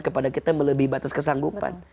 kepada kita melebihi batas kesanggupan